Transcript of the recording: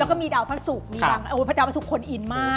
แล้วก็มีดาวพระศุกรมีดาวพระศุกรคนอินมาก